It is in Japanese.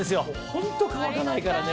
ホント乾かないからね。